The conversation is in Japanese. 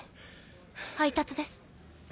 配達です。